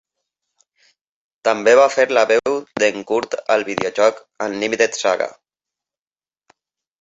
També va fer la veu de"n Kurt al videojoc "Unlimited Saga".